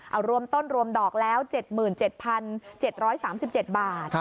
เอารวมต้นรวมดอกแล้ว๗๗๓๗บาท